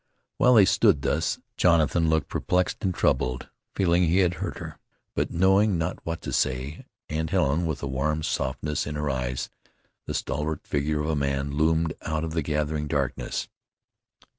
While they stood thus, Jonathan looking perplexed and troubled, feeling he had hurt her, but knowing not what to say, and Helen with a warm softness in her eyes, the stalwart figure of a man loomed out of the gathering darkness.